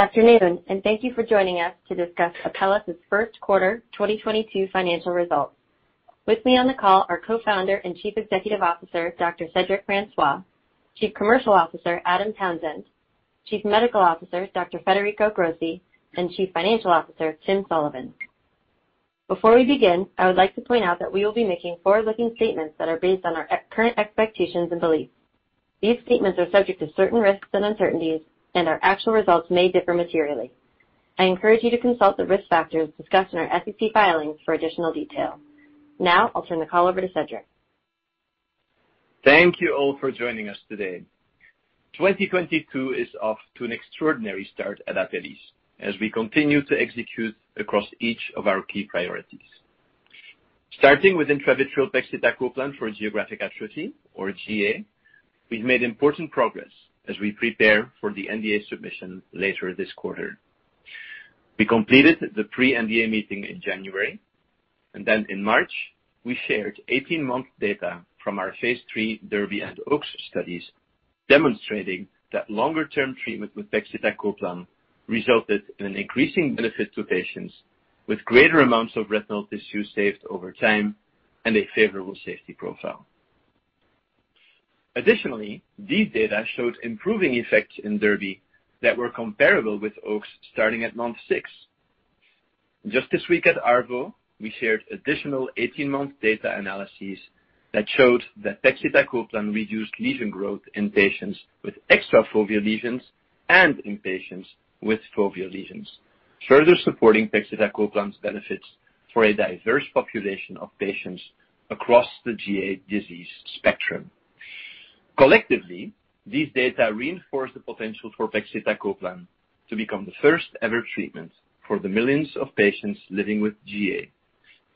Good afternoon, and thank you for joining us to discuss Apellis' first quarter 2022 financial results. With me on the call are Co-founder and Chief Executive Officer, Dr. Cedric Francois, Chief Commercial Officer, Adam Townsend, Chief Medical Officer, Dr. Federico Grossi, and Chief Financial Officer, Tim Sullivan. Before we begin, I would like to point out that we will be making forward-looking statements that are based on our current expectations and beliefs. These statements are subject to certain risks and uncertainties, and our actual results may differ materially. I encourage you to consult the risk factors discussed in our SEC filings for additional detail. Now, I'll turn the call over to Cedric. Thank you all for joining us today. 2022 is off to an extraordinary start at Apellis as we continue to execute across each of our key priorities. Starting with intravitreal pegcetacoplan for geographic atrophy or GA, we've made important progress as we prepare for the NDA submission later this quarter. We completed the pre-NDA meeting in January, and then in March, we shared 18-month data from our phase III DERBY and OAKS studies, demonstrating that longer-term treatment with pegcetacoplan resulted in an increasing benefit to patients with greater amounts of retinal tissue saved over time and a favorable safety profile. Additionally, these data showed improving effects in DERBY that were comparable with OAKS starting at month six. Just this week at ARVO, we shared additional 18-month data analyses that showed that pegcetacoplan reduced lesion growth in patients with extrafoveal lesions and in patients with foveal lesions, further supporting pegcetacoplan's benefits for a diverse population of patients across the GA disease spectrum. Collectively, these data reinforce the potential for pegcetacoplan to become the first-ever treatment for the millions of patients living with GA,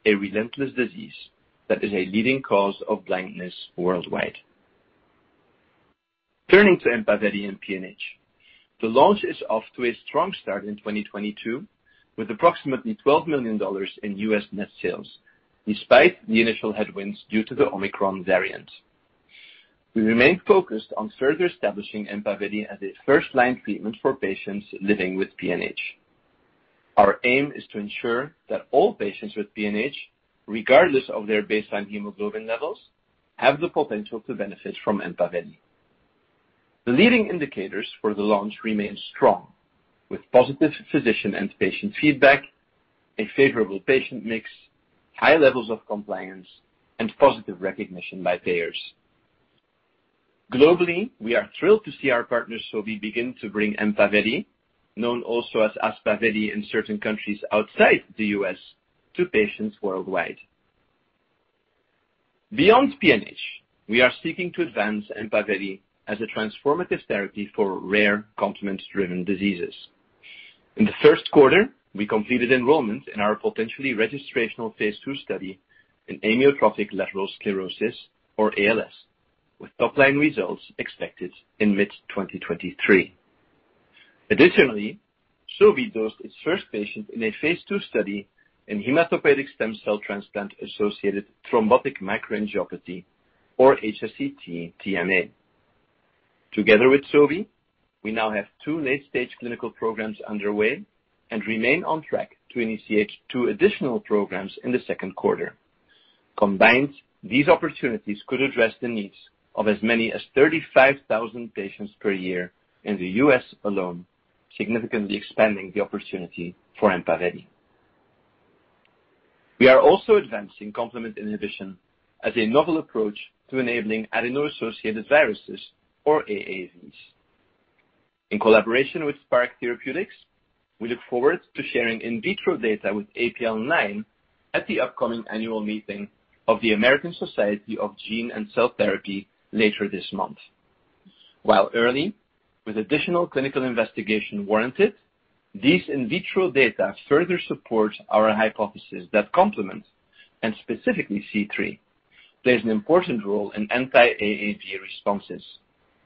a relentless disease that is a leading cause of blindness worldwide. Turning to EMPAVELI and PNH. The launch is off to a strong start in 2022, with approximately $12 million in U.S. net sales, despite the initial headwinds due to the Omicron variant. We remain focused on further establishing EMPAVELI as a first-line treatment for patients living with PNH. Our aim is to ensure that all patients with PNH, regardless of their baseline hemoglobin levels, have the potential to benefit from EMPAVELI. The leading indicators for the launch remain strong with positive physician and patient feedback, a favorable patient mix, high levels of compliance, and positive recognition by payers. Globally, we are thrilled to see our partner, Sobi, begin to bring EMPAVELI, known also as Aspaveli in certain countries outside the U.S., to patients worldwide. Beyond PNH, we are seeking to advance EMPAVELI as a transformative therapy for rare complement-driven diseases. In the first quarter, we completed enrollment in our potentially registrational phase II study in amyotrophic lateral sclerosis or ALS, with top-line results expected in mid-2023. Additionally, Sobi dosed its first patient in a phase two study in hematopoietic stem cell transplant-associated thrombotic microangiopathy or HSCT-TMA. Together with Sobi, we now have two late-stage clinical programs underway and remain on track to initiate two additional programs in the second quarter. Combined, these opportunities could address the needs of as many as 35,000 patients per year in the U.S. alone, significantly expanding the opportunity for EMPAVELI. We are also advancing complement inhibition as a novel approach to enabling adeno-associated viruses or AAVs. In collaboration with Spark Therapeutics, we look forward to sharing in vitro data with APL-9 at the upcoming annual meeting of the American Society of Gene & Cell Therapy later this month. While early, with additional clinical investigation warranted, these in vitro data further supports our hypothesis that complement, and specifically C3, plays an important role in anti-AAV responses,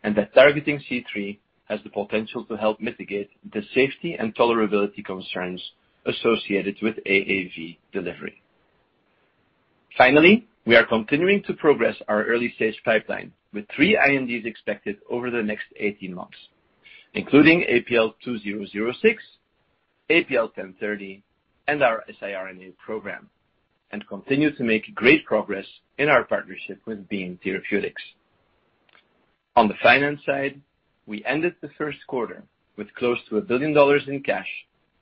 and that targeting C3 has the potential to help mitigate the safety and tolerability concerns associated with AAV delivery. Finally, we are continuing to progress our early-stage pipeline with three INDs expected over the next 18 months, including APL-2006, APL-1030, and our siRNA program, and continue to make great progress in our partnership with Beam Therapeutics. On the finance side, we ended the first quarter with close to $1 billion in cash,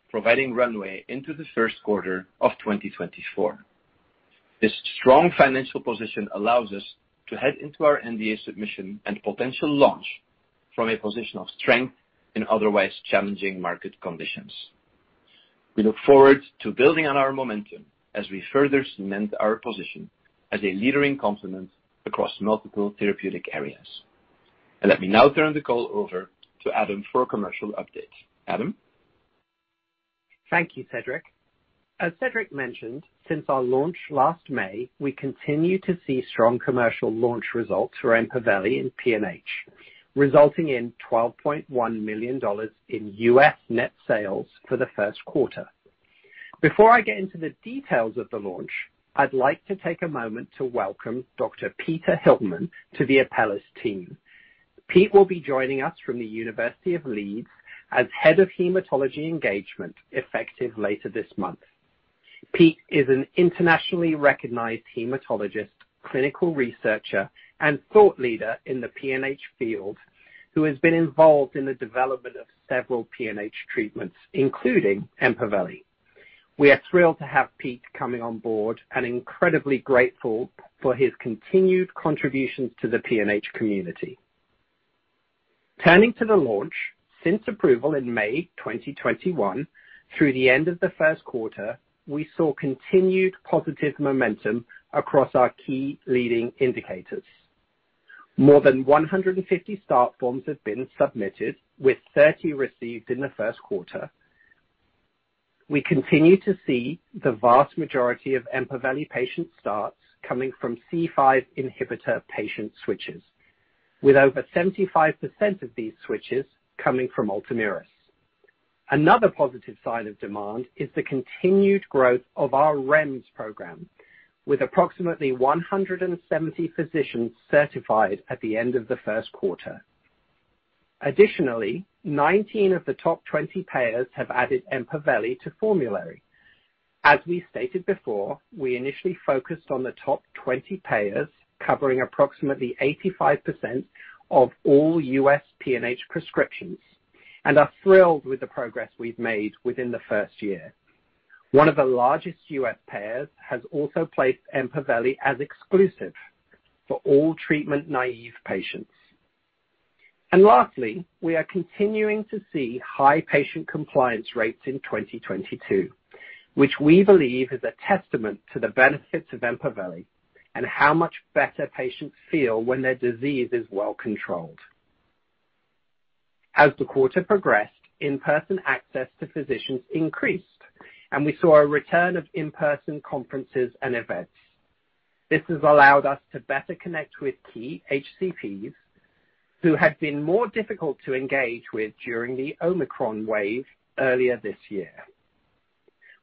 providing runway into the first quarter of 2024. This strong financial position allows us to head into our NDA submission and potential launch from a position of strength in otherwise challenging market conditions. We look forward to building on our momentum as we further cement our position as a leader in complement across multiple therapeutic areas. Let me now turn the call over to Adam for a commercial update. Adam? Thank you, Cedric. As Cedric mentioned, since our launch last May, we continue to see strong commercial launch results for EMPAVELI in PNH, resulting in $12.1 million in U.S. net sales for the first quarter. Before I get into the details of the launch, I'd like to take a moment to welcome Dr. Peter Hillmen to the Apellis team. Pete will be joining us from the University of Leeds as head of hematology engagement, effective later this month. Pete is an internationally recognized hematologist, clinical researcher, and thought leader in the PNH field, who has been involved in the development of several PNH treatments, including EMPAVELI. We are thrilled to have Pete coming on board and incredibly grateful for his continued contributions to the PNH community. Turning to the launch. Since approval in May 2021 through the end of the first quarter, we saw continued positive momentum across our key leading indicators. More than 150 start forms have been submitted, with 30 received in the first quarter. We continue to see the vast majority of EMPAVELI patient starts coming from C5 inhibitor patient switches, with over 75% of these switches coming from Ultomiris. Another positive sign of demand is the continued growth of our REMS program, with approximately 170 physicians certified at the end of the first quarter. Additionally, 19 of the top 20 payers have added EMPAVELI to formulary. As we stated before, we initially focused on the top 20 payers, covering approximately 85% of all U.S. PNH prescriptions and are thrilled with the progress we've made within the first year. One of the largest U.S. payers has also placed EMPAVELI as exclusive for all treatment-naive patients. Lastly, we are continuing to see high patient compliance rates in 2022, which we believe is a testament to the benefits of EMPAVELI and how much better patients feel when their disease is well controlled. As the quarter progressed, in-person access to physicians increased, and we saw a return of in-person conferences and events. This has allowed us to better connect with key HCPs who have been more difficult to engage with during the Omicron wave earlier this year.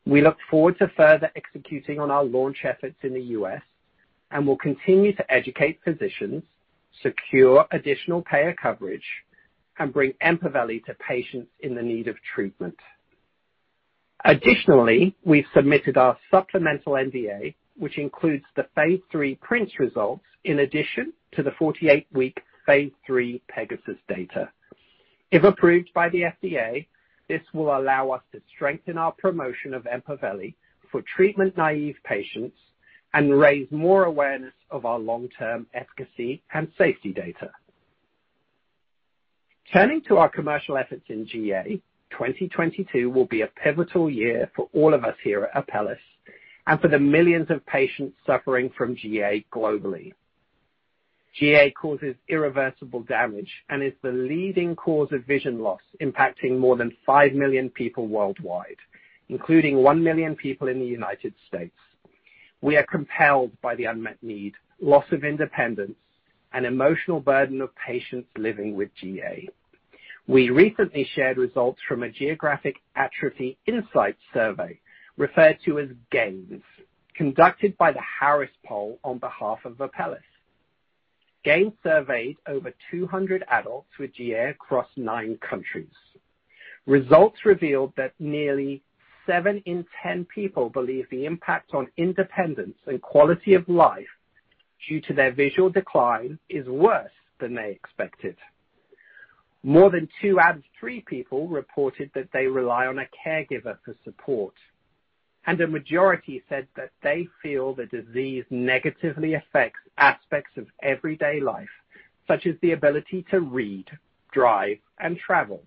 We look forward to further executing on our launch efforts in the U.S. and will continue to educate physicians, secure additional payer coverage, and bring EMPAVELI to patients in need of treatment. Additionally, we've submitted our supplemental NDA, which includes the phase III PRINCE results in addition to the 48-week phase III PEGASUS data. If approved by the FDA, this will allow us to strengthen our promotion of EMPAVELI for treatment-naive patients and raise more awareness of our long-term efficacy and safety data. Turning to our commercial efforts in GA. 2022 will be a pivotal year for all of us here at Apellis and for the millions of patients suffering from GA globally. GA causes irreversible damage and is the leading cause of vision loss, impacting more than five million people worldwide, including one million people in the United States. We are compelled by the unmet need, loss of independence, and emotional burden of patients living with GA. We recently shared results from a geographic atrophy insight survey referred to as GAINS, conducted by The Harris Poll on behalf of Apellis. GAINS surveyed over 200 adults with GA across nine countries. Results revealed that nearly seven in 10 people believe the impact on independence and quality of life due to their visual decline is worse than they expected. More than two out of three people reported that they rely on a caregiver for support, and a majority said that they feel the disease negatively affects aspects of everyday life, such as the ability to read, drive, and travel.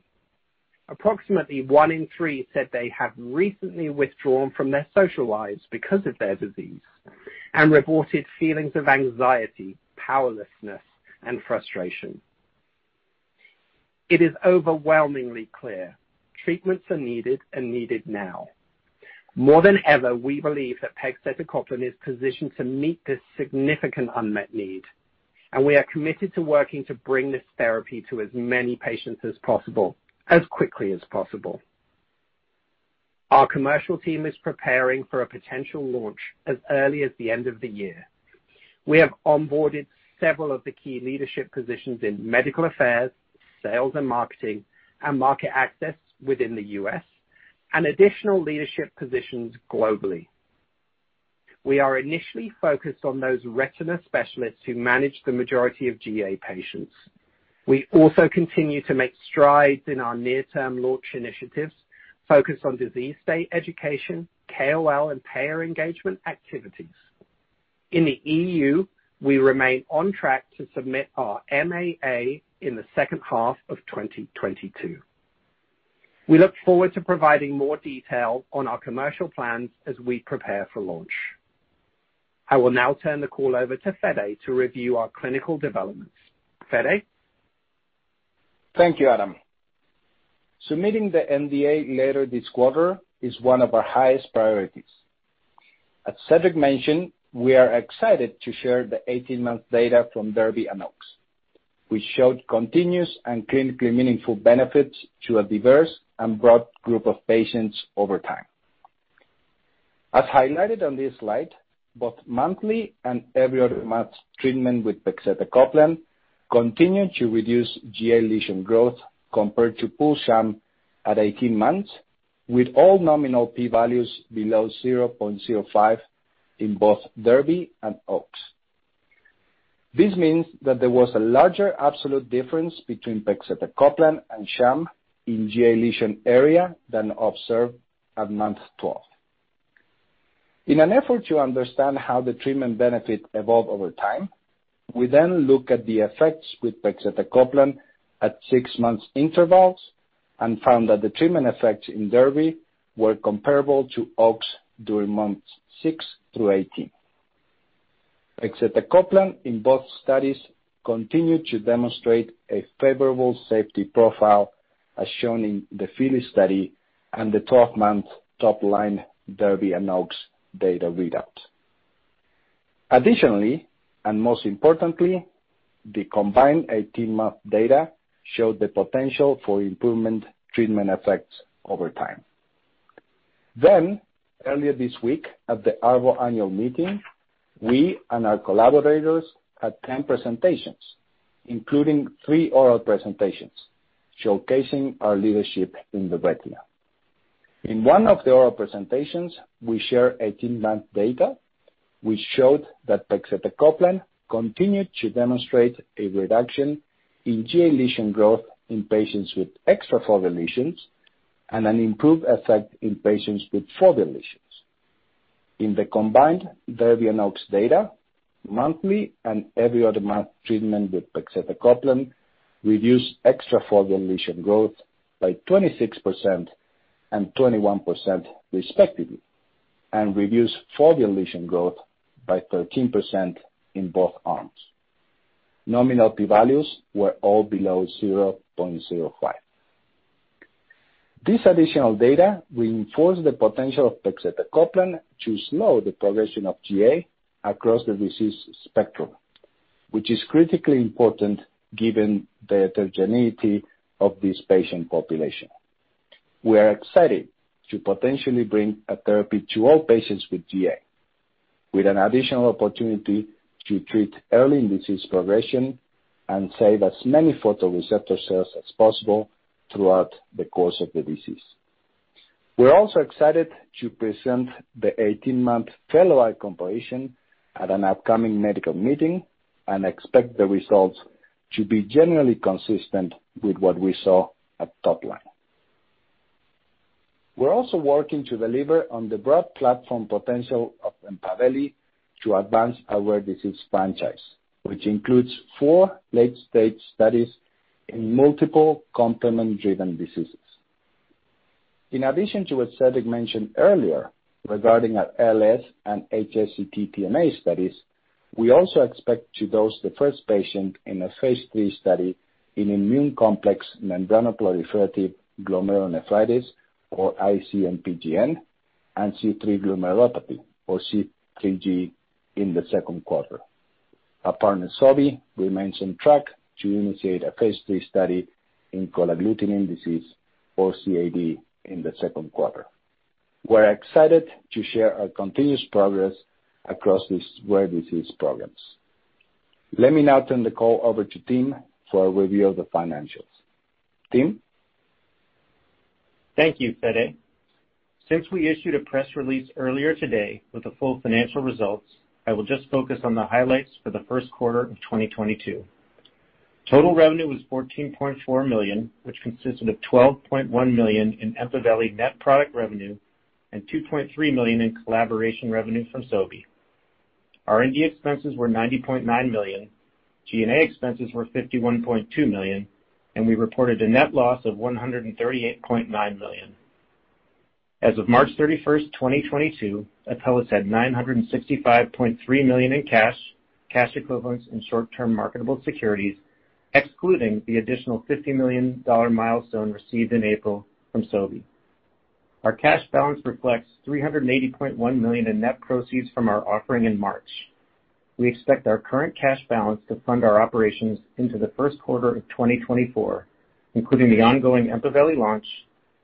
Approximately one in three said they have recently withdrawn from their social lives because of their disease and reported feelings of anxiety, powerlessness, and frustration. It is overwhelmingly clear treatments are needed and needed now. More than ever, we believe that pegcetacoplan is positioned to meet this significant unmet need, and we are committed to working to bring this therapy to as many patients as possible, as quickly as possible. Our commercial team is preparing for a potential launch as early as the end of the year. We have onboarded several of the key leadership positions in medical affairs, sales and marketing, and market access within the U.S. and additional leadership positions globally. We are initially focused on those retina specialists who manage the majority of GA patients. We also continue to make strides in our near-term launch initiatives focused on disease state education, KOL, and payer engagement activities. In the EU, we remain on track to submit our MAA in the second half of 2022. We look forward to providing more detail on our commercial plans as we prepare for launch. I will now turn the call over to Fede to review our clinical developments. Fede? Thank you, Adam. Submitting the NDA later this quarter is one of our highest priorities. As Cedric mentioned, we are excited to share the 18-month data from DERBY and OAKS. We showed continuous and clinically meaningful benefits to a diverse and broad group of patients over time. As highlighted on this slide, both monthly and every other month treatment with pegcetacoplan continued to reduce GA lesion growth compared to pooled sham at 18 months, with all nominal p-values below 0.05 in both DERBY and OAKS. This means that there was a larger absolute difference between pegcetacoplan and sham in GA lesion area than observed at month 12. In an effort to understand how the treatment benefit evolved over time, we then look at the effects with pegcetacoplan at six-month intervals and found that the treatment effects in DERBY were comparable to OAKS during months six through 18. Pegcetacoplan in both studies continued to demonstrate a favorable safety profile, as shown in the FILLY study and the 12-month top line DERBY and OAKS data readout. Additionally, and most importantly, the combined 18-month data showed the potential for improved treatment effects over time. Earlier this week at the ARVO annual meeting, we and our collaborators had 10 presentations, including three oral presentations showcasing our leadership in the retina. In one of the oral presentations, we share 18-month data which showed that pegcetacoplan continued to demonstrate a reduction in GA lesion growth in patients with extrafoveal lesions and an improved effect in patients with foveal lesions. In the combined DERBY and OAKS data, monthly and every other month, treatment with pegcetacoplan reduced extrafoveal lesion growth by 26% and 21%, respectively, and reduced foveal lesion growth by 13% in both arms. Nominal p-values were all below 0.05. This additional data reinforce the potential of pegcetacoplan to slow the progression of GA across the disease spectrum, which is critically important given the heterogeneity of this patient population. We are excited to potentially bring a therapy to all patients with GA, with an additional opportunity to treat early in disease progression and save as many photoreceptor cells as possible throughout the course of the disease. We're also excited to present the 18-month fellow eye compilation at an upcoming medical meeting, and expect the results to be generally consistent with what we saw at top line. We're also working to deliver on the broad platform potential of EMPAVELI to advance our disease franchise, which includes four late-stage studies in multiple complement-driven diseases. In addition to what Cedric mentioned earlier regarding our LS and HSCT-TMA studies, we also expect to dose the first patient in a phase three study in immune complex membranoproliferative glomerulonephritis, or IC-MPGN, and C3 glomerulopathy, or C3G, in the second quarter. Our partner, Sobi, remains on track to initiate a phase three study in cold agglutinin disease, or CAD, in the second quarter. We're excited to share our continuous progress across these rare disease programs. Let me now turn the call over to Tim for a review of the financials. Tim? Thank you, Fede. Since we issued a press release earlier today with the full financial results, I will just focus on the highlights for the first quarter of 2022. Total revenue was $14.4 million, which consisted of $12.1 million in EMPAVELI net product revenue and $2.3 million in collaboration revenue from Sobi. R&D expenses were $90.9 million, G&A expenses were $51.2 million, and we reported a net loss of $138.9 million. As of March 31, 2022, Apellis had $965.3 million in cash equivalents, and short-term marketable securities, excluding the additional $50 million milestone received in April from Sobi. Our cash balance reflects $380.1 million in net proceeds from our offering in March. We expect our current cash balance to fund our operations into the first quarter of 2024, including the ongoing EMPAVELI launch,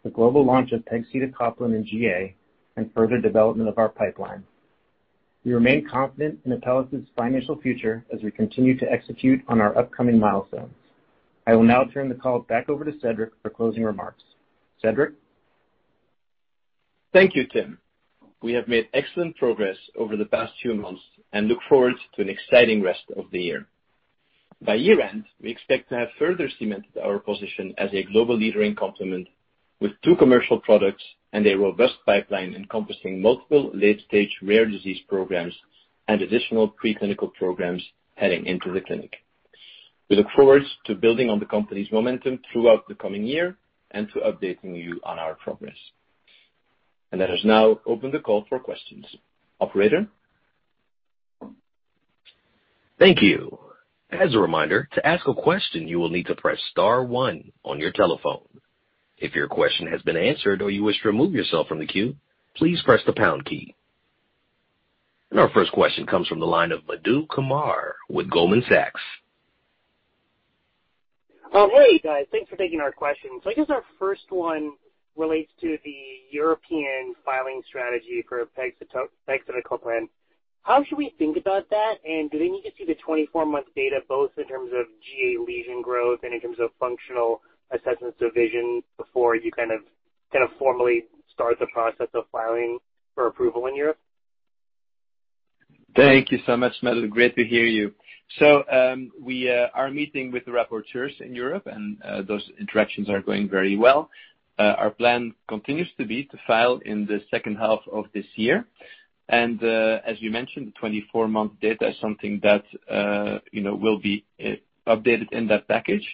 the global launch of pegcetacoplan and GA, and further development of our pipeline. We remain confident in Apellis' financial future as we continue to execute on our upcoming milestones. I will now turn the call back over to Cedric for closing remarks. Cedric? Thank you, Tim. We have made excellent progress over the past few months and look forward to an exciting rest of the year. By year-end, we expect to have further cemented our position as a global leader in complement with two commercial products and a robust pipeline encompassing multiple late-stage rare disease programs and additional preclinical programs heading into the clinic. We look forward to building on the company's momentum throughout the coming year and to updating you on our progress. Let us now open the call for questions. Operator? Thank you. As a reminder, to ask a question, you will need to press star one on your telephone. If your question has been answered or you wish to remove yourself from the queue, please press the pound key. Our first question comes from the line of Madhu Kumar with Goldman Sachs. Oh, hey, guys. Thanks for taking our questions. I guess our first one relates to the European filing strategy for pegcetacoplan. How should we think about that? Do they need to see the 24-month data both in terms of GA lesion growth and in terms of functional assessments of vision before you kind of formally start the process of filing for approval in Europe? Thank you so much, Madhu. Great to hear you. We are meeting with the rapporteurs in Europe, and those interactions are going very well. Our plan continues to be to file in the second half of this year. As you mentioned, the 24-month data is something that you know will be updated in that package.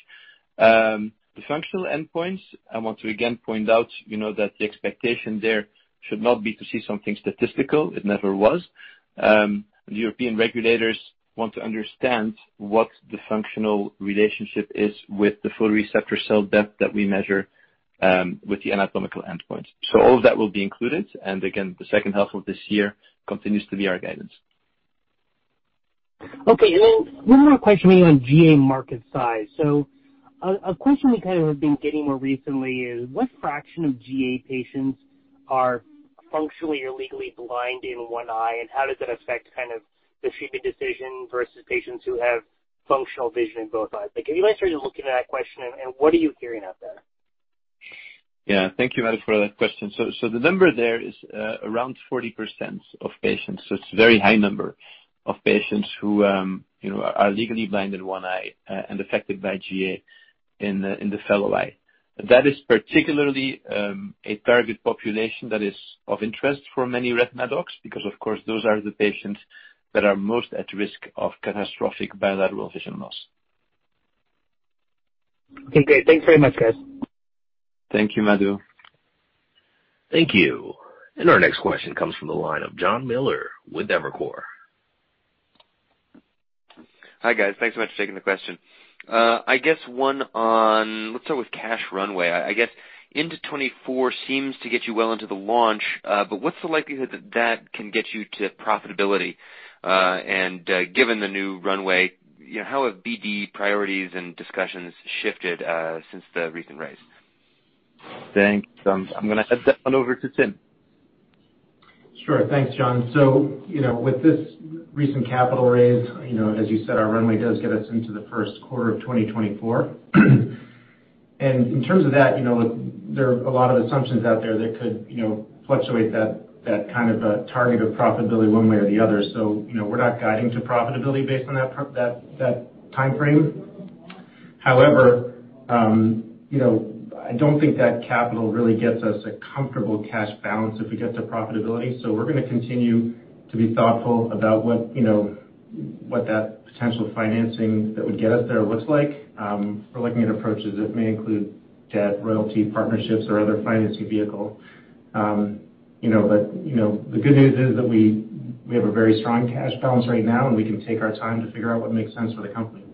The functional endpoints, I want to again point out you know that the expectation there should not be to see something statistical. It never was. The European regulators want to understand what the functional relationship is with the photoreceptor cell death that we measure with the anatomical endpoint. All of that will be included. Again, the second half of this year continues to be our guidance. Okay. Then one more question on GA market size. A question we kind of have been getting more recently is what fraction of GA patients are functionally or legally blind in one eye? How does that affect kind of the treatment decision versus patients who have functional vision in both eyes? Like have you guys started looking at that question, and what are you hearing out there? Thank you, Madhu, for that question. The number there is around 40% of patients. It's a very high number of patients who, you know, are legally blind in one eye and affected by GA in the fellow eye. That is particularly a target population that is of interest for many retina docs because, of course, those are the patients that are most at risk of catastrophic bilateral vision loss. Okay. Thanks very much, guys. Thank you, Madhu. Thank you. Our next question comes from the line of Jon Miller with Evercore. Hi, guys. Thanks so much for taking the question. I guess one on cash runway. I guess into 2024 seems to get you well into the launch, but what's the likelihood that that can get you to profitability? And given the new runway, you know, how have BD priorities and discussions shifted since the recent raise? Thanks. I'm gonna hand that one over to Tim. Sure. Thanks, Jon. You know, with this recent capital raise, you know, as you said, our runway does get us into the first quarter of 2024. In terms of that, you know, there are a lot of assumptions out there that could, you know, fluctuate that kind of target of profitability one way or the other. You know, we're not guiding to profitability based on that timeframe. However, you know, I don't think that capital really gets us a comfortable cash balance if we get to profitability. We're gonna continue to be thoughtful about what, you know, what that potential financing that would get us there looks like. We're looking at approaches. It may include debt, royalty, partnerships or other financing vehicle. You know, the good news is that we have a very strong cash balance right now, and we can take our time to figure out what makes sense for the company.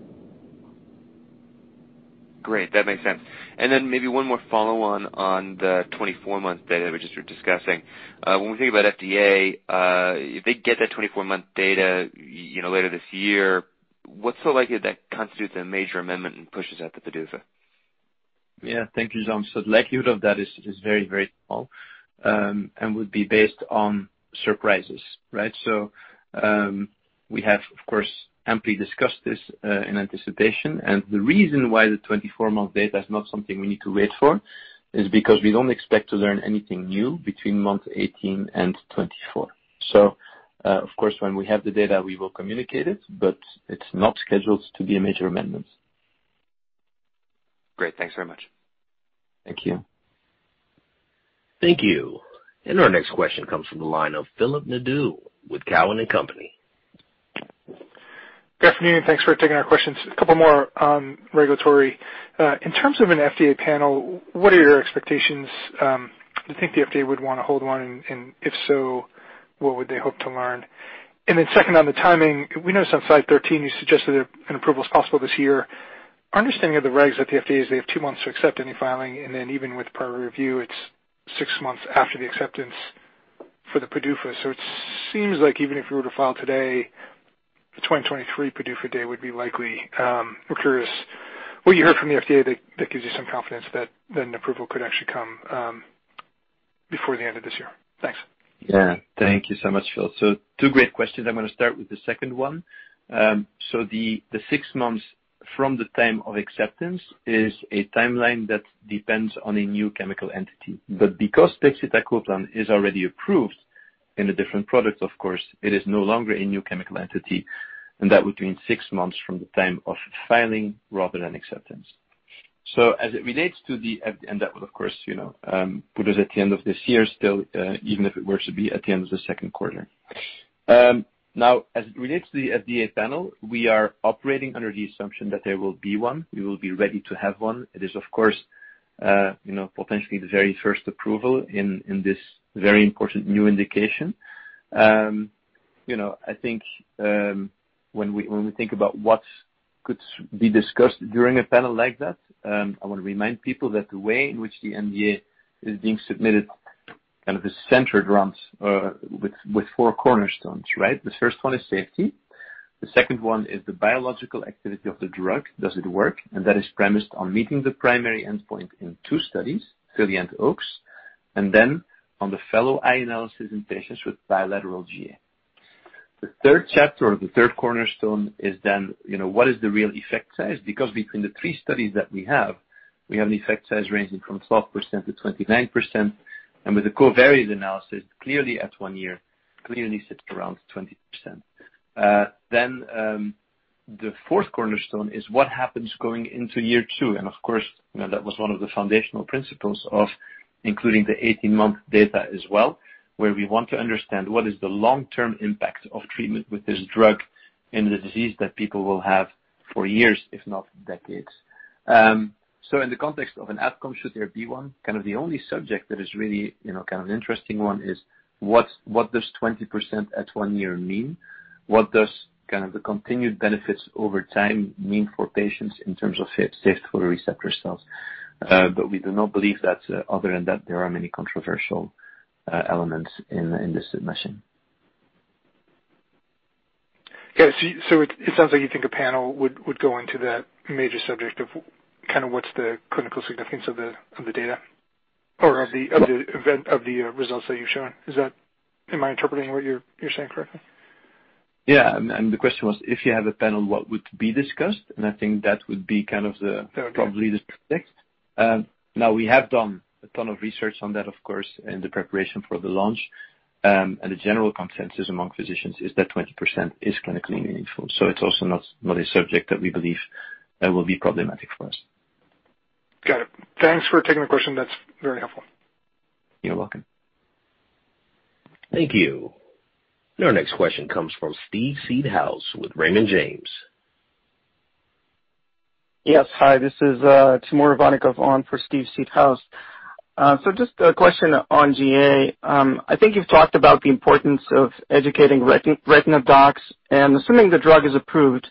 Great. That makes sense. Maybe one more follow-on on the 24-month data we just were discussing. When we think about FDA, if they get that 24-month data, you know, later this year, what's the likelihood that constitutes a major amendment and pushes out the PDUFA? Yeah. Thank you, Jon. The likelihood of that is very, very small, and would be based on surprises, right? We have of course amply discussed this in anticipation. The reason why the 24-month data is not something we need to wait for is because we don't expect to learn anything new between month 18 and 24. Of course, when we have the data, we will communicate it, but it's not scheduled to be a major amendment. Great. Thanks very much. Thank you. Thank you. Our next question comes from the line of Phil Nadeau with Cowen and Company. Good afternoon. Thanks for taking our questions. A couple more on regulatory. In terms of an FDA panel, what are your expectations? Do you think the FDA would wanna hold one? And if so, what would they hope to learn? And then second, on the timing, we noticed on slide 13 you suggested that an approval is possible this year. Our understanding of the regs at the FDA is they have two months to accept any filing, and then even with priority review, it's six months after the acceptance for the PDUFA. So it seems like even if we were to file today, the 2023 PDUFA day would be likely. We're curious what you heard from the FDA that gives you some confidence that an approval could actually come before the end of this year. Thanks. Yeah. Thank you so much, Phil. Two great questions. I'm gonna start with the second one. The six months from the time of acceptance is a timeline that depends on a new chemical entity. But because pegcetacoplan is already approved in a different product, of course, it is no longer a new chemical entity, and that would mean six months from the time of filing rather than acceptance, and that would, of course, you know, put us at the end of this year still, even if it were to be at the end of the second quarter. Now, as it relates to the FDA panel, we are operating under the assumption that there will be one. We will be ready to have one. It is, of course, potentially the very first approval in this very important new indication. I think when we think about what could be discussed during a panel like that, I wanna remind people that the way in which the NDA is being submitted kind of is centered around with four cornerstones, right? The first one is safety. The second one is the biological activity of the drug. Does it work? That is premised on meeting the primary endpoint in two studies, FILLY and OAKS, and then on the fellow eye analysis in patients with bilateral GA. The third chapter or the third cornerstone is then what is the real effect size? Because between the three studies that we have, we have an effect size ranging from 12% to 29%, and with the covariates analysis, clearly at one year, clearly sits around 20%. The fourth cornerstone is what happens going into year two. Of course, you know, that was one of the foundational principles of including the 18-month data as well, where we want to understand what is the long-term impact of treatment with this drug in the disease that people will have for years, if not decades. In the context of an outcome, should there be one? Kind of the only subject that is really, you know, kind of interesting one is what does 20% at one year mean? What does kind of the continued benefits over time mean for patients in terms of saved photoreceptor cells? We do not believe that, other than that, there are many controversial elements in this submission. It sounds like you think a panel would go into that major subject of kind of what's the clinical significance of the data or of the event, of the results that you're showing. Is that. Am I interpreting what you're saying correctly? Yeah. The question was, if you have a panel, what would be discussed? I think that would be kind of the Okay. Probably the fix. Now we have done a ton of research on that, of course, in the preparation for the launch. The general consensus among physicians is that 20% is clinically meaningful, so it's also not a subject that we believe will be problematic for us. Got it. Thanks for taking the question. That's very helpful. You're welcome. Thank you. Our next question comes from Steven Seedhouse with Raymond James. Yes. Hi, this is Timur Ivannikov on for Steven Seedhouse. Just a question on GA. I think you've talked about the importance of educating retina docs. Assuming the drug is approved,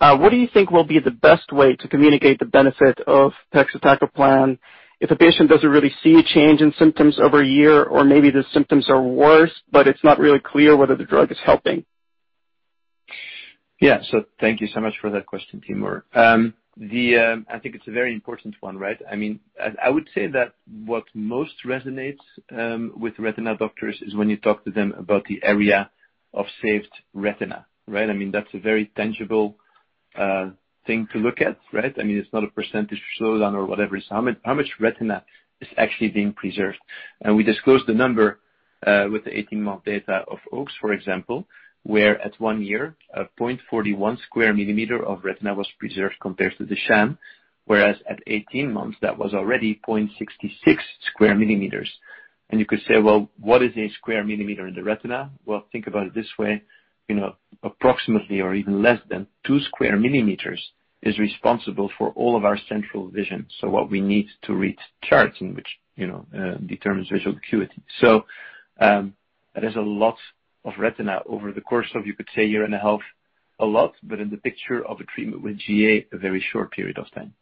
what do you think will be the best way to communicate the benefit of pegcetacoplan if a patient doesn't really see a change in symptoms over a year or maybe the symptoms are worse, but it's not really clear whether the drug is helping? Yeah. Thank you so much for that question, Timur. I think it's a very important one, right? I mean, I would say that what most resonates with retina doctors is when you talk to them about the area of saved retina, right? I mean, that's a very tangible thing to look at, right? I mean, it's not a percentage slowdown or whatever. It's how much retina is actually being preserved. We disclosed the number with the 18-month data of OAKS, for example, where at one year, 0.41 sq mm of retina was preserved compared to the sham, whereas at 18 months that was already 0.66 sq mm. You could say, "Well, what is a square millimeter in the retina?" Well, think about it this way. You know, approximately or even less than 2 sq mm is responsible for all of our central vision. What we need to read charts in which, you know, determines visual acuity. That is a lot of retina over the course of, you could say, year and a half, a lot, but in the picture of a treatment with GA, a very short period of time.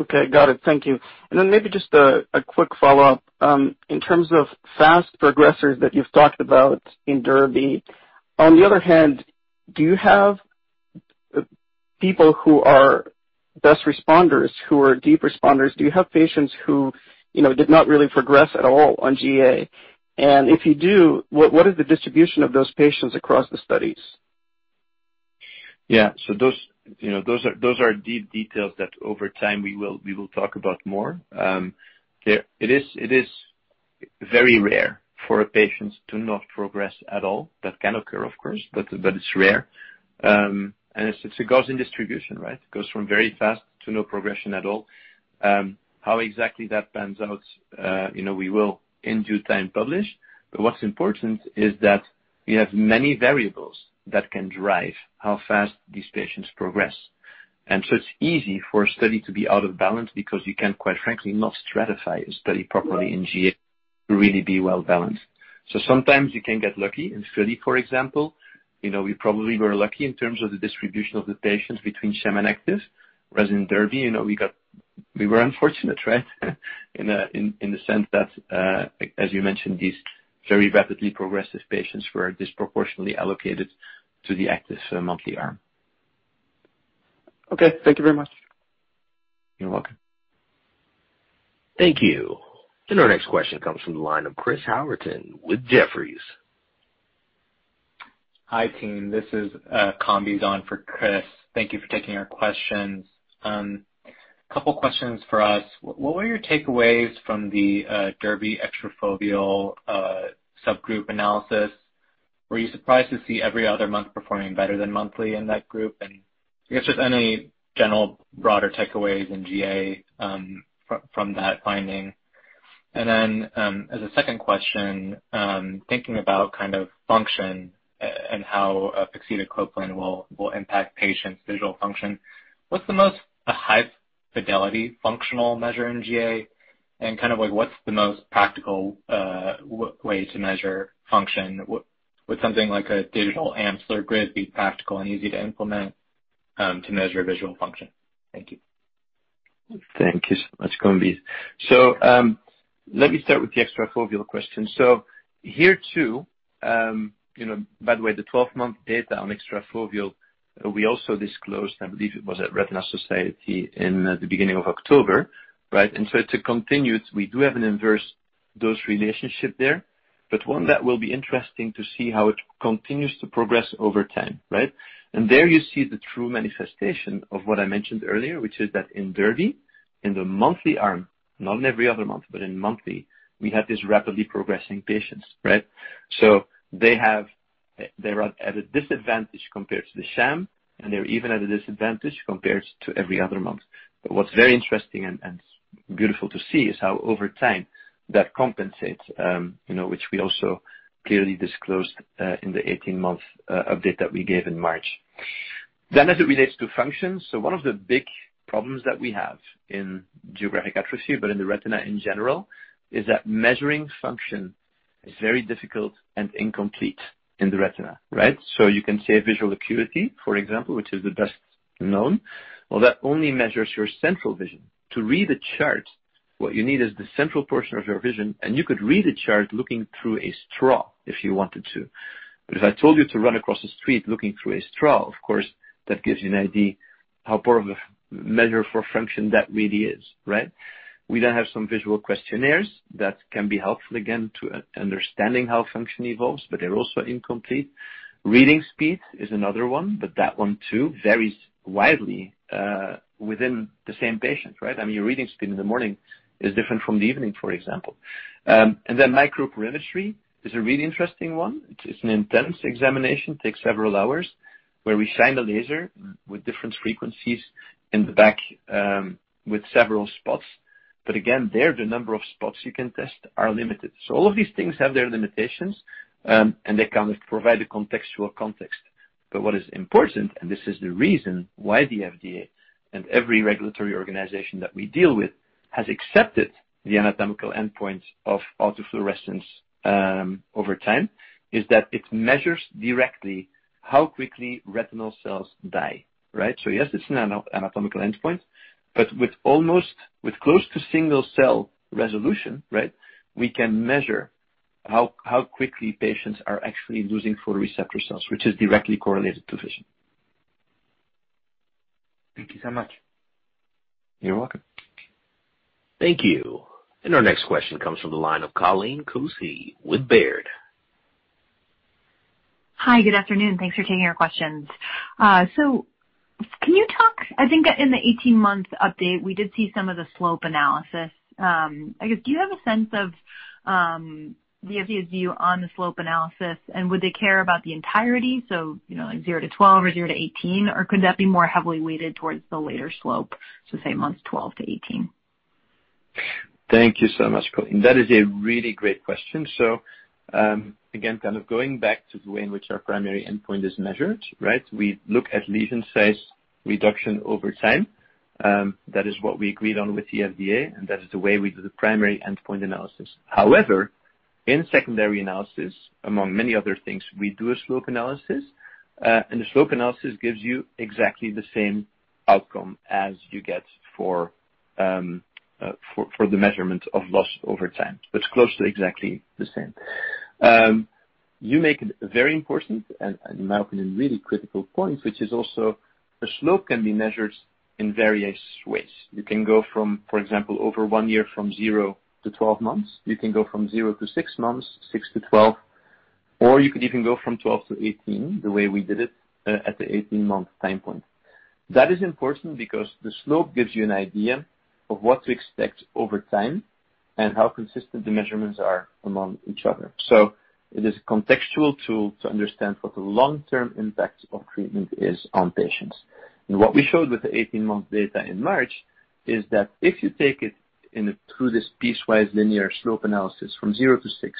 Okay. Got it. Thank you. Maybe just a quick follow-up. In terms of fast progressors that you've talked about in DERBY, on the other hand, do you have people who are best responders, who are deep responders? Do you have patients who, you know, did not really progress at all on GA? If you do, what is the distribution of those patients across the studies? Those are details that over time we will talk about more. It is very rare for patients to not progress at all. That can occur, of course, but it's rare. It's a Gaussian distribution, right? It goes from very fast to no progression at all. How exactly that pans out, we will in due time publish. What's important is that we have many variables that can drive how fast these patients progress. It's easy for a study to be out of balance because you can, quite frankly, not stratify a study properly in GA to really be well-balanced. Sometimes you can get lucky. In FILLY, for example, we probably were lucky in terms of the distribution of the patients between sham and actives. Whereas in DERBY, you know, we were unfortunate, right? In the sense that, as you mentioned, these very rapidly progressive patients were disproportionately allocated to the active monthly arm. Okay. Thank you very much. You're welcome. Thank you. Our next question comes from the line of Chris Howerton with Jefferies. Hi, team. This is Kumbi Zhang for Chris Howerton. Thank you for taking our questions. Couple questions for us. What were your takeaways from the DERBY extrafoveal subgroup analysis? Were you surprised to see every other month performing better than monthly in that group? I guess just any general broader takeaways in GA from that finding. As a second question, thinking about kind of function and how pegcetacoplan will impact patients' visual function, what's the most high fidelity functional measure in GA? And kind of, like, what's the most practical way to measure function? Would something like a digital Amsler grid be practical and easy to implement to measure visual function? Thank you. Thank you so much, Kumbi. Let me start with the extrafoveal question. Here too, you know, by the way, the 12-month data on extrafoveal, we also disclosed, I believe it was at Retina Society in the beginning of October, right? To continue, we do have an inverse dose relationship there, but one that will be interesting to see how it continues to progress over time, right? There you see the true manifestation of what I mentioned earlier, which is that in DERBY, in the monthly arm, not in every other month, but in monthly we have these rapidly progressing patients, right? They are at a disadvantage compared to the sham, and they're even at a disadvantage compared to every other month. What's very interesting and beautiful to see is how over time that compensates, you know, which we also clearly disclosed in the 18-month update that we gave in March. As it relates to function. One of the big problems that we have in geographic atrophy, but in the retina in general, is that measuring function is very difficult and incomplete in the retina, right? You can say visual acuity, for example, which is the best known. Well, that only measures your central vision. To read a chart, what you need is the central portion of your vision, and you could read a chart looking through a straw if you wanted to. If I told you to run across a street looking through a straw, of course, that gives you an idea how poor of a measure for function that really is, right? We then have some visual questionnaires that can be helpful, again, to understanding how function evolves, but they're also incomplete. Reading speed is another one, but that one too varies widely, within the same patient, right? I mean, your reading speed in the morning is different from the evening, for example. Microperimetry is a really interesting one. It's an intense examination, takes several hours, where we shine a laser with different frequencies in the back, with several spots. Again, there the number of spots you can test are limited. So all of these things have their limitations, and they kind of provide a contextual context. What is important, and this is the reason why the FDA and every regulatory organization that we deal with has accepted the anatomical endpoint of autofluorescence over time, is that it measures directly how quickly retinal cells die, right? Yes, it's an anatomical endpoint, but with almost close to single cell resolution, right, we can measure how quickly patients are actually losing photoreceptor cells, which is directly correlated to vision. Thank you so much. You're welcome. Thank you. Our next question comes from the line of Colleen Kusy with Baird. Hi. Good afternoon. Thanks for taking our questions. I think in the 18-month update, we did see some of the slope analysis. I guess, do you have a sense of the FDA's view on the slope analysis, and would they care about the entirety, so, you know, like 0-12 or 0-18, or could that be more heavily weighted towards the later slope, so say months 12-18? Thank you so much, Colleen. That is a really great question. Again, kind of going back to the way in which our primary endpoint is measured, right, we look at lesion size reduction over time. That is what we agreed on with the FDA, and that is the way we do the primary endpoint analysis. However, in secondary analysis, among many other things, we do a slope analysis. The slope analysis gives you exactly the same outcome as you get for the measurement of loss over time. It's close to exactly the same. You make a very important and in my opinion, really critical point, which is also the slope can be measured in various ways. You can go from, for example, over one year from zero to 12 months. You can go from zero to six months, six to 12, or you could even go from 12 to 18, the way we did it, at the 18-month time point. That is important because the slope gives you an idea of what to expect over time and how consistent the measurements are among each other. It is a contextual tool to understand what the long-term impact of treatment is on patients. What we showed with the 18-month data in March is that if you take it through this piecewise linear slope analysis from zero to six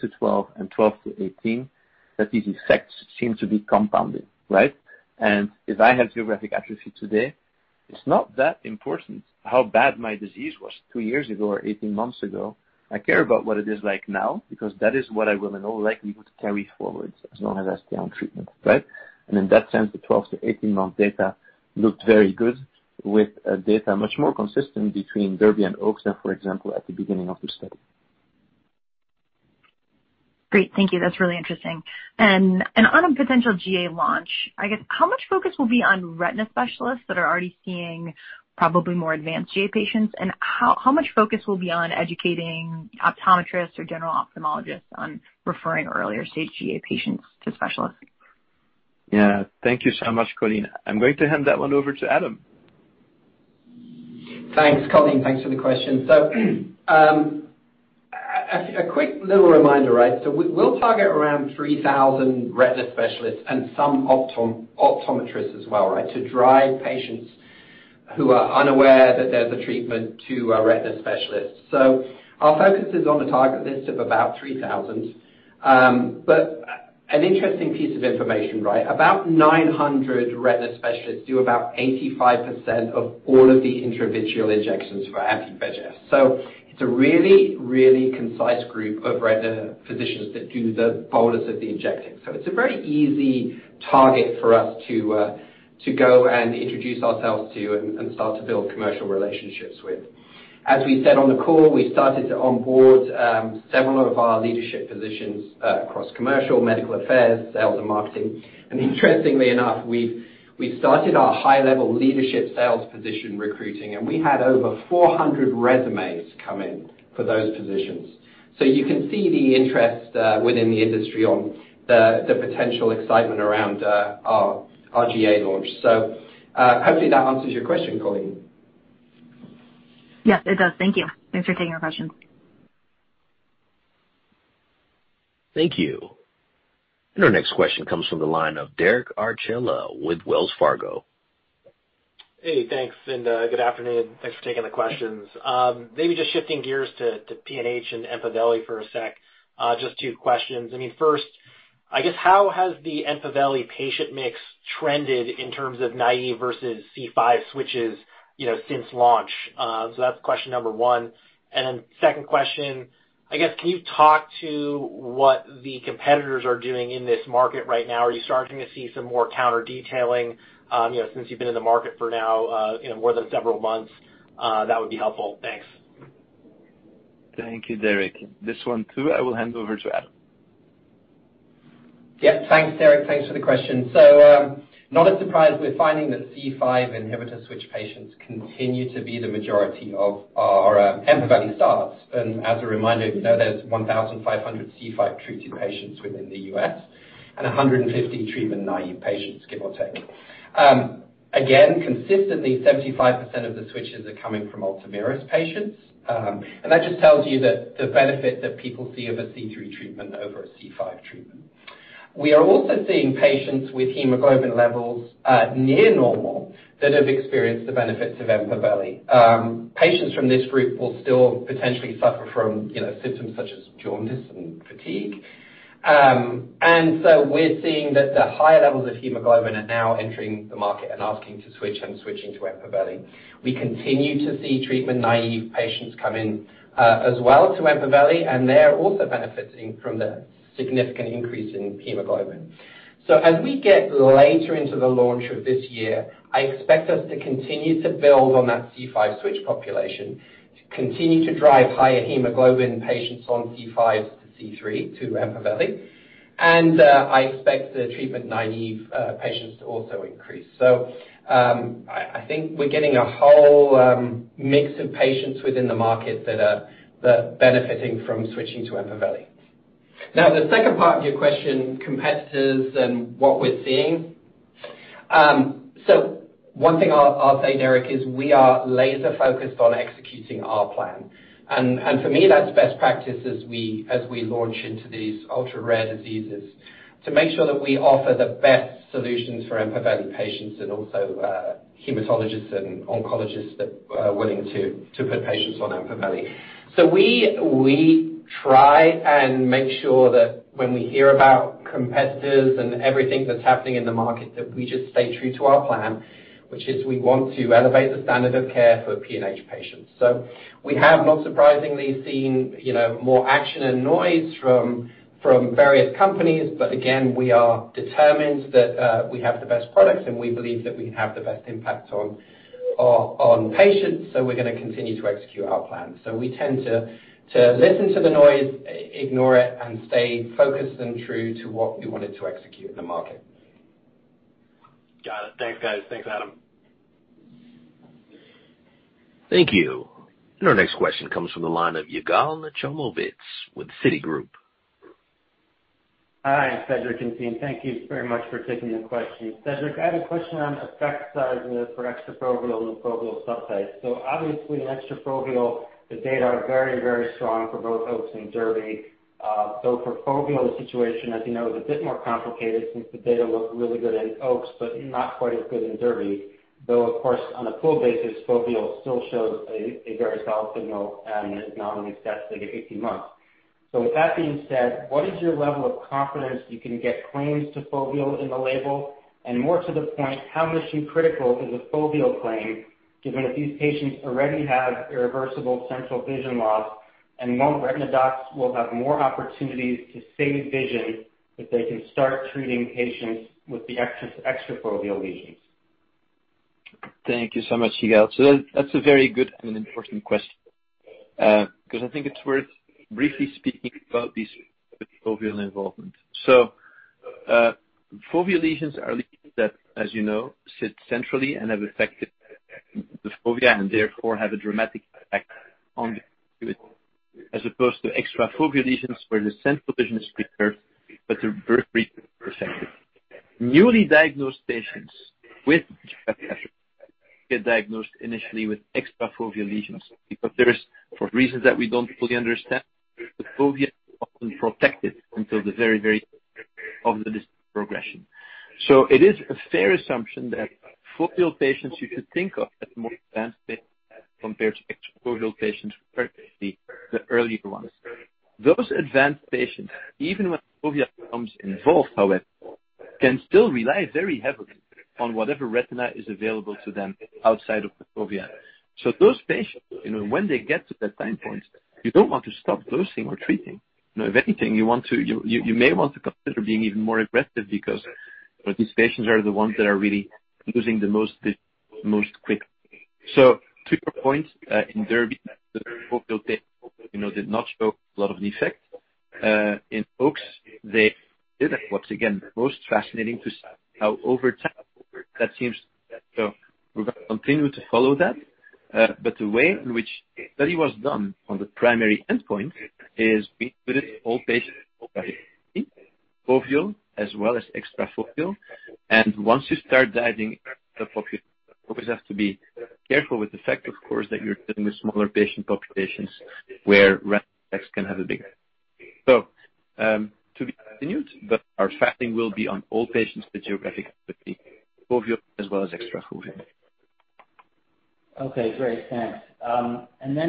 to 12, and 12 to 18, that these effects seem to be compounded, right? If I have geographic atrophy today, it's not that important how bad my disease was two years ago or 18 months ago. I care about what it is like now because that is what I will in all likelihood carry forward as long as I stay on treatment, right? In that sense, the 12-18-month data looked very good with data much more consistent between DERBY and OAKS, for example, at the beginning of the study. Great. Thank you. That's really interesting. On a potential GA launch, I guess how much focus will be on retina specialists that are already seeing probably more advanced GA patients? How much focus will be on educating optometrists or general ophthalmologists on referring earlier-stage GA patients to specialists? Yeah. Thank you so much, Colleen. I'm going to hand that one over to Adam. Thanks, Colleen. Thanks for the question. A quick little reminder, right? We'll target around 3,000 retina specialists and some optometrists as well, right, to drive patients who are unaware that there's a treatment to a retina specialist. Our focus is on a target list of about 3,000. An interesting piece of information, right? About 900 retina specialists do about 85% of all of the intravitreal injections for anti-VEGF. It's a really concise group of retina physicians that do the bulk of the injecting. It's a very easy target for us to go and introduce ourselves to and start to build commercial relationships with. As we said on the call, we started to onboard several of our leadership positions across commercial, medical affairs, sales, and marketing. Interestingly enough, we started our high-level leadership sales position recruiting, and we had over 400 resumes come in for those positions. You can see the interest within the industry on the potential excitement around our GA launch. Hopefully that answers your question, Colleen. Yes, it does. Thank you. Thanks for taking our questions. Thank you. Our next question comes from the line of Derek Archila with Wells Fargo. Hey, thanks, good afternoon. Thanks for taking the questions. Maybe just shifting gears to PNH and EMPAVELI for a sec, just two questions. I mean, first, I guess how has the EMPAVELI patient mix trended in terms of naive versus C5 switches, you know, since launch? That's question number one. Second question, I guess, can you talk to what the competitors are doing in this market right now? Are you starting to see some more counter-detailing, you know, since you've been in the market for now, you know, more than several months? That would be helpful. Thanks. Thank you, Derek. This one too, I will hand over to Adam. Yeah, thanks, Derek. Thanks for the question. Not a surprise, we're finding that C5 inhibitor switch patients continue to be the majority of our EMPAVELI starts. As a reminder, we know there's 1,500 C5-treated patients within the U.S. and 150 treatment-naive patients, give or take. Again, consistently 75% of the switches are coming from Ultomiris patients. That just tells you that the benefit that people see of a C3 treatment over a C5 treatment. We are also seeing patients with hemoglobin levels near normal that have experienced the benefits of EMPAVELI. Patients from this group will still potentially suffer from, you know, symptoms such as jaundice and fatigue. We're seeing that the higher levels of hemoglobin are now entering the market and asking to switch and switching to EMPAVELI. We continue to see treatment-naive patients come in, as well to EMPAVELI, and they're also benefiting from the significant increase in hemoglobin. As we get later into the launch of this year, I expect us to continue to build on that C5 switch population, to continue to drive higher hemoglobin patients on C5 to C3 to EMPAVELI. I expect the treatment-naive patients to also increase. I think we're getting a whole mix of patients within the market that are benefiting from switching to EMPAVELI. Now the second part of your question, competitors and what we're seeing. One thing I'll say, Derek, is we are laser-focused on executing our plan. For me, that's best practice as we launch into these ultra-rare diseases to make sure that we offer the best solutions for EMPAVELI patients and also hematologists and oncologists that are willing to put patients on EMPAVELI. We try and make sure that when we hear about competitors and everything that's happening in the market, that we just stay true to our plan, which is we want to elevate the standard of care for PNH patients. We have not surprisingly seen, you know, more action and noise from various companies. Again, we are determined that we have the best products, and we believe that we have the best impact on patients, so we're gonna continue to execute our plan. We tend to listen to the noise, ignore it, and stay focused and true to what we wanted to execute in the market. Got it. Thanks, guys. Thanks, Adam. Thank you. Our next question comes from the line of Yigal Nochomovitz with Citigroup. Hi, Cedric and team. Thank you very much for taking the question. Cedric, I have a question on effect size for extrafoveal and foveal subtypes. Obviously in extrafoveal the data are very, very strong for both OAKS and DERBY. For foveal, the situation, as you know, is a bit more complicated since the data looked really good in OAKS but not quite as good in DERBY, though of course, on a pooled basis, foveal still shows a very solid signal and is now in effect at 18 months. With that being said, what is your level of confidence you can get claims to foveal in the label? More to the point, how mission-critical is a foveal claim, given that these patients already have irreversible central vision loss and retina docs will have more opportunities to save vision if they can start treating patients with the extrafoveal lesions? Thank you so much, Yigal. That's a very good and important question, because I think it's worth briefly speaking about these foveal involvement. Foveal lesions are lesions that, as you know, sit centrally and have affected the fovea and therefore have a dramatic effect on the patient as opposed to extrafoveal lesions where the central vision is preserved, but the periphery is affected. Newly diagnosed patients get diagnosed initially with extrafoveal lesions, because there is, for reasons that we don't fully understand, the fovea often protected until the very, very end of the disease progression. It is a fair assumption that foveal patients you should think of as more advanced patients compared to extrafoveal patients, particularly the earlier ones. Those advanced patients, even when fovea becomes involved, however, can still rely very heavily on whatever retina is available to them outside of the fovea. Those patients, you know, when they get to that time point, you don't want to stop dosing or treating. You know, if anything you want to consider being even more aggressive because these patients are the ones that are really losing the most most quick. To your point, in DERBY, the foveal patients, you know, did not show a lot of effect. In OAKS they did. Once again, most fascinating to see how over time that seems. We're going to continue to follow that. The way in which the study was done on the primary endpoint is we included all patients with foveal as well as extrafoveal. Once you start diving into the foveal, you always have to be careful with the fact, of course, that you're dealing with smaller patient populations where random effects can have a bigger. To be continued, but our tracking will be on all patients with geographic atrophy, foveal as well as extrafoveal. Okay, great. Thanks.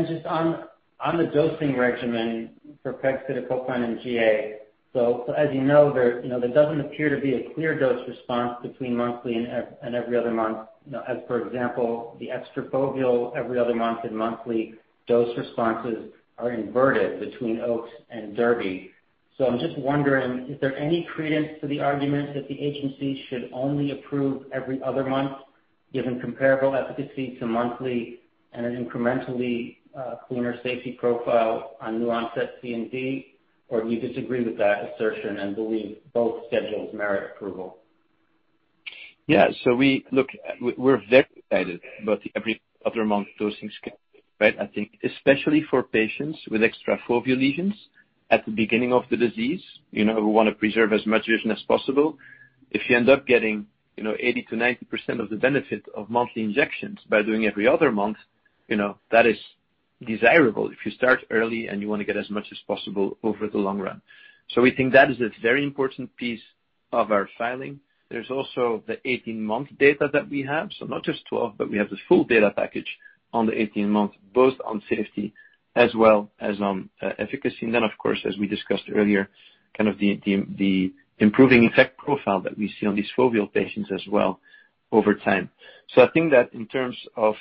Just on the dosing regimen for pegcetacoplan and GA. As you know, you know, there doesn't appear to be a clear dose response between monthly and every other month. You know, as for example, the extrafoveal every other month and monthly dose responses are inverted between OAKS and DERBY. I'm just wondering, is there any credence to the argument that the agency should only approve every other month, given comparable efficacy to monthly and an incrementally cleaner safety profile on new onset CNV? Or do you disagree with that assertion and believe both schedules merit approval? Yeah. Look, we're very excited about the every other month dosing schedule, right? I think especially for patients with extrafoveal lesions at the beginning of the disease, you know, who want to preserve as much vision as possible. If you end up getting, you know, 80%-90% of the benefit of monthly injections by doing every other month, you know, that is desirable if you start early and you want to get as much as possible over the long run. We think that is a very important piece of our filing. There's also the 18-month data that we have. Not just 12, but we have the full data package on the 18 months, both on safety as well as on efficacy. Of course, as we discussed earlier, kind of the improving effect profile that we see on these foveal patients as well over time. I think that in terms of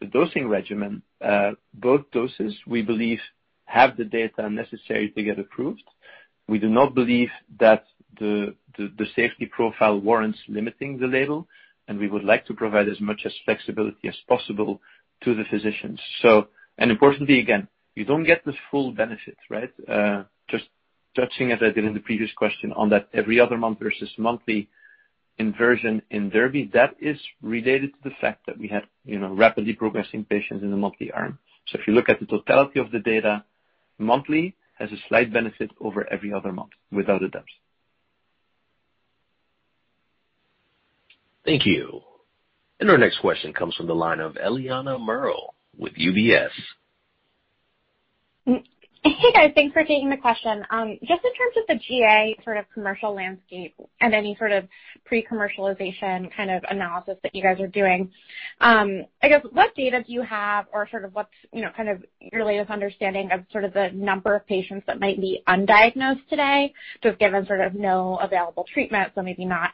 the dosing regimen, both doses, we believe, have the data necessary to get approved. We do not believe that the safety profile warrants limiting the label, and we would like to provide as much flexibility as possible to the physicians. Importantly, again, you don't get the full benefit, right? Just touching as I did in the previous question on that every other month versus monthly inversion in DERBY, that is related to the fact that we had rapidly progressing patients in the monthly arm. If you look at the totality of the data, monthly has a slight benefit over every other month without a doubt. Thank you. Our next question comes from the line of Eliana Merle with UBS. Hey, guys. Thanks for taking the question. Just in terms of the GA sort of commercial landscape and any sort of pre-commercialization kind of analysis that you guys are doing. I guess what data do you have or sort of what's, you know, kind of your latest understanding of sort of the number of patients that might be undiagnosed today, just given sort of no available treatment, so maybe not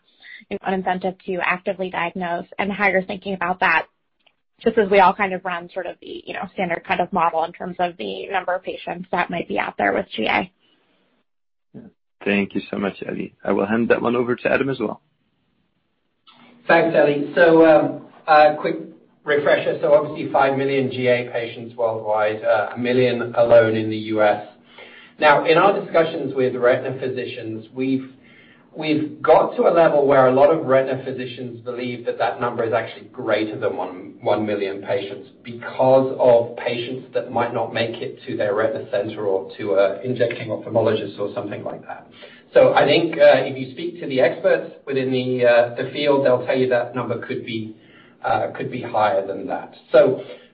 an incentive to actively diagnose and how you're thinking about that, just as we all kind of run sort of the, you know, standard kind of model in terms of the number of patients that might be out there with GA. Thank you so much, Eli. I will hand that one over to Adam as well. Thanks, Eli. A quick refresher. Obviously five million GA patients worldwide, one million alone in the U.S. Now, in our discussions with retina physicians, we've got to a level where a lot of retina physicians believe that that number is actually greater than one million patients because of patients that might not make it to their retina center or to an injecting ophthalmologist or something like that. I think, if you speak to the experts within the field, they'll tell you that number could be higher than that.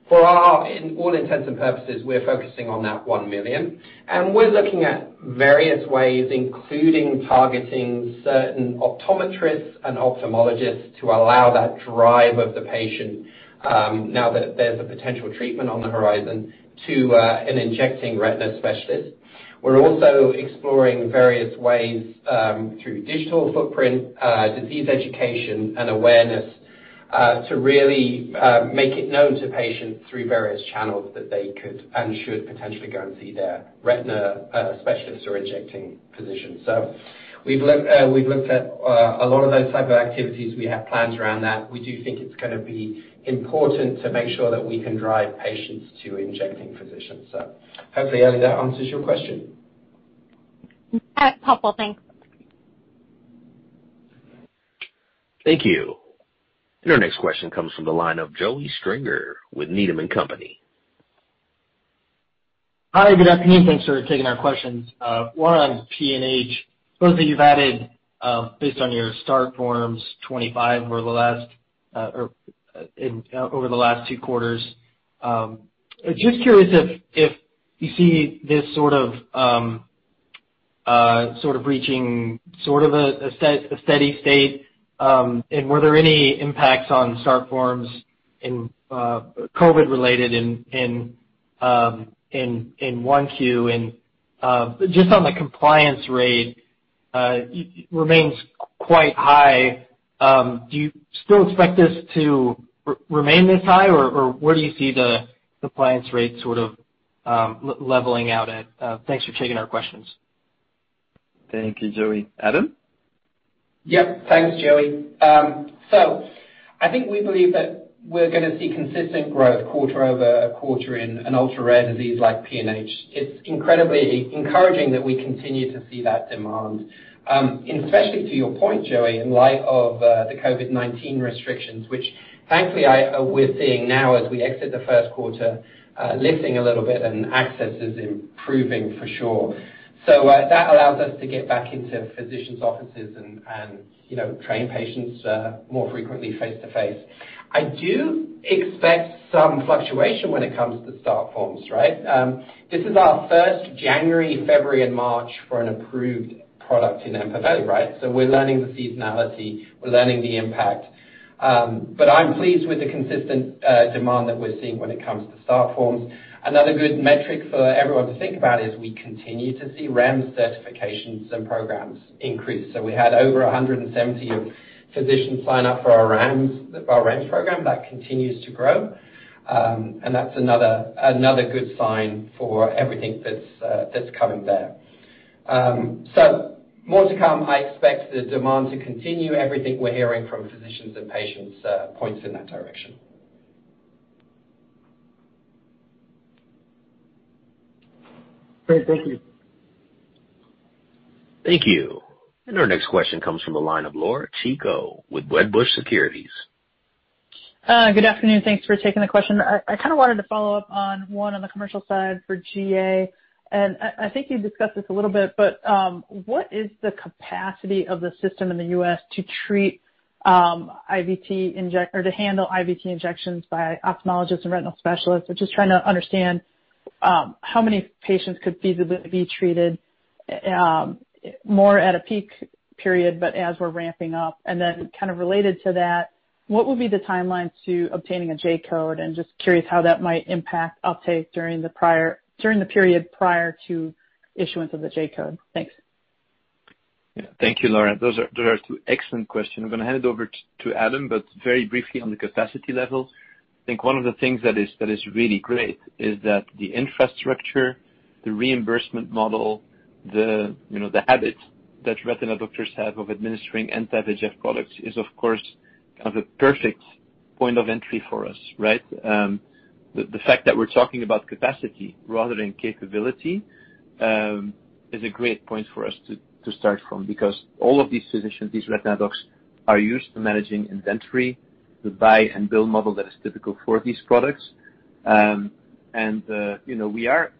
For all intents and purposes, we're focusing on that one million, and we're looking at various ways, including targeting certain optometrists and ophthalmologists to allow that drive of the patient, now that there's a potential treatment on the horizon to an injecting retina specialist. We're also exploring various ways through digital footprint disease education and awareness to really make it known to patients through various channels that they could and should potentially go and see their retina specialists or injecting physicians. We've looked at a lot of those type of activities. We have plans around that. We do think it's gonna be important to make sure that we can drive patients to injecting physicians. Hopefully, Eli, that answers your question. That's helpful. Thanks. Thank you. Our next question comes from the line of Joseph Stringer with Needham & Company. Hi, good afternoon. Thanks for taking our questions. One on PNH. Both that you've added, based on your start forms, 25 were the last over the last two quarters. Just curious if you see this sort of reaching sort of a steady state, and were there any impacts on start forms in COVID-related in 1Q? Just on the compliance rate remains quite high. Do you still expect this to remain this high, or where do you see the compliance rate sort of leveling out at? Thanks for taking our questions. Thank you, Joey. Adam? Yep. Thanks, Joey. I think we believe that we're gonna see consistent growth quarter over a quarter in an ultra-rare disease like PNH. It's incredibly encouraging that we continue to see that demand, especially to your point, Joey, in light of the COVID-19 restrictions, which thankfully we're seeing now as we exit the first quarter, lifting a little bit and access is improving for sure. That allows us to get back into physicians' offices and, you know, train patients, more frequently face to face. I do expect some fluctuation when it comes to start forms, right? This is our first January, February, and March for an approved product in EMPAVELI, right? We're learning the seasonality, we're learning the impact. I'm pleased with the consistent, demand that we're seeing when it comes to start forms. Another good metric for everyone to think about is we continue to see REMS certifications and programs increase. We had over 170 physicians sign up for our REMS, our REMS program. That continues to grow. And that's another good sign for everything that's coming there. More to come. I expect the demand to continue. Everything we're hearing from physicians and patients points in that direction. Great. Thank you. Thank you. Our next question comes from the line of Laura Chico with Wedbush Securities. Good afternoon. Thanks for taking the question. I kind of wanted to follow up on one on the commercial side for GA, and I think you discussed this a little bit, but what is the capacity of the system in the U.S. to treat or to handle IVT injections by ophthalmologists and retinal specialists? I'm just trying to understand how many patients could feasibly be treated more at a peak period, but as we're ramping up. Kind of related to that, what would be the timeline to obtaining a J-code? I'm just curious how that might impact uptake during the period prior to issuance of the J-code. Thanks. Yeah. Thank you, Laura. Those are two excellent questions. I'm gonna hand it over to Adam, but very briefly on the capacity level. I think one of the things that is really great is that the infrastructure, the reimbursement model, you know, the habit that retina doctors have of administering anti-VEGF products is of course the perfect point of entry for us, right? The fact that we're talking about capacity rather than capability is a great point for us to start from because all of these physicians, these retina docs, are used to managing inventory, the buy and bill model that is typical for these products. We are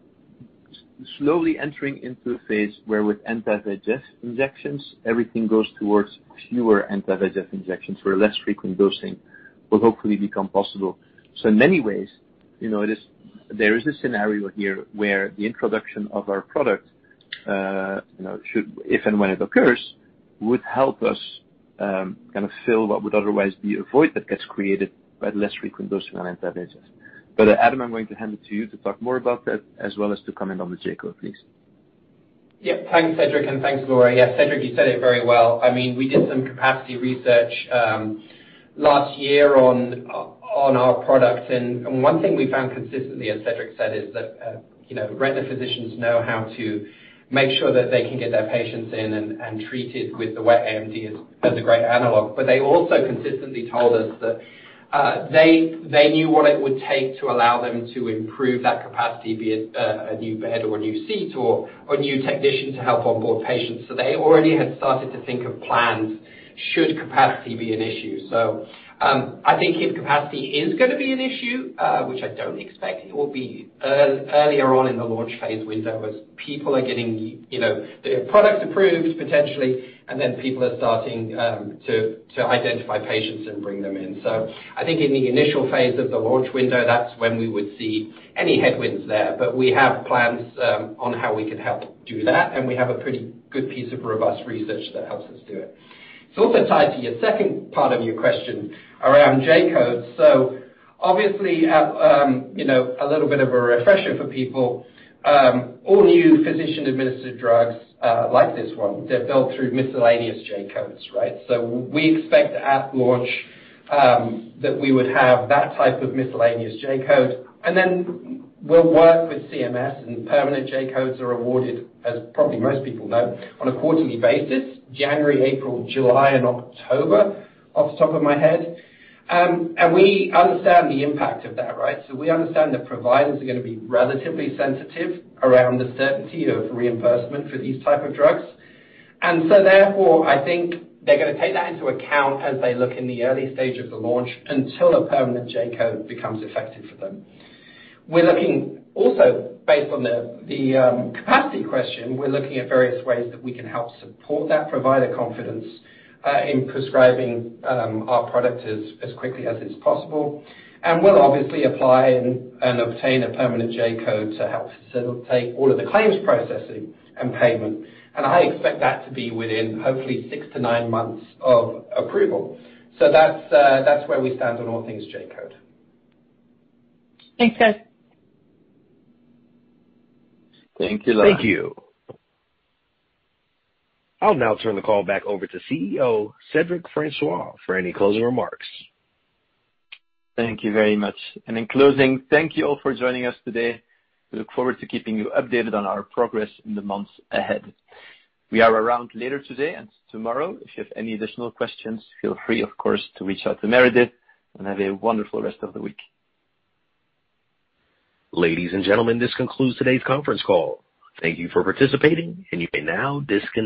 slowly entering into a phase where with anti-VEGF injections, everything goes towards fewer anti-VEGF injections, where less frequent dosing will hopefully become possible. In many ways, you know, there is a scenario here where the introduction of our product should, if and when it occurs, help us kind of fill what would otherwise be a void that gets created by less frequent dosing on anti-VEGF. Adam, I'm going to hand it to you to talk more about that as well as to comment on the J-code, please. Yeah. Thanks, Cedric, and thanks, Laura. Yeah, Cedric, you said it very well. I mean, we did some capacity research last year on our products and one thing we found consistently, as Cedric said, is that you know, retina physicians know how to make sure that they can get their patients in and treated with the wet AMD as a great analog. But they also consistently told us that they knew what it would take to allow them to improve that capacity, be it a new bed or a new seat or a new technician to help onboard patients. They already had started to think of plans should capacity be an issue. I think if capacity is gonna be an issue, which I don't expect it will be earlier on in the launch phase window as people are getting, you know, the product approved potentially, and then people are starting to identify patients and bring them in. I think in the initial phase of the launch window, that's when we would see any headwinds there. We have plans on how we could help do that, and we have a pretty good piece of robust research that helps us do it. It's also tied to your second part of your question around J-code. Obviously, you know, a little bit of a refresher for people. All new physician-administered drugs, like this one, they're billed through miscellaneous J-codes, right? We expect at launch that we would have that type of miscellaneous J-code, and then we'll work with CMS, and permanent J-codes are awarded, as probably most people know, on a quarterly basis, January, April, July, and October, off the top of my head. We understand the impact of that, right? We understand that providers are gonna be relatively sensitive around the certainty of reimbursement for these type of drugs. I think they're gonna take that into account as they look in the early stage of the launch until a permanent J-code becomes effective for them. We're looking also based on the capacity question, we're looking at various ways that we can help support that provider confidence in prescribing our product as quickly as is possible. We'll obviously apply and obtain a permanent J-code to help facilitate all of the claims processing and payment. I expect that to be within hopefully 6-9 months of approval. That's where we stand on all things J-code. Thanks, guys. Thank you, Laura. Thank you. I'll now turn the call back over to CEO Cedric Francois for any closing remarks. Thank you very much. In closing, thank you all for joining us today. We look forward to keeping you updated on our progress in the months ahead. We are around later today and tomorrow. If you have any additional questions, feel free, of course, to reach out to Meredith, and have a wonderful rest of the week. Ladies and gentlemen, this concludes today's conference call. Thank you for participating, and you may now disconnect.